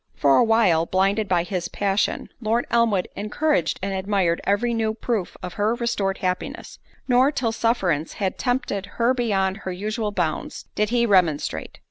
For a while, blinded by his passion, Lord Elmwood encouraged and admired every new proof of her restored happiness; nor till sufferance had tempted her beyond her usual bounds, did he remonstrate.